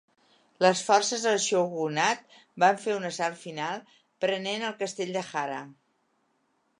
Les forces del shogunat van fer un assalt final, prenent el castell de Hara.